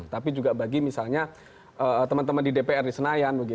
tapi juga bagi misalnya teman teman di dpr di senayan